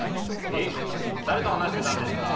えっ誰と話してたんですか？